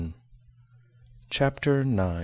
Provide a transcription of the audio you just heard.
CHAPTER IX.